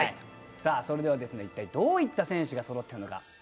それでは一体どういった選手がそろっているのか。